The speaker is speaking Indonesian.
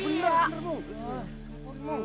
iya bener bung